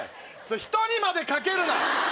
ひとにまでかけるな！